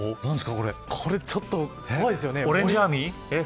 これちょっと怖いですよね。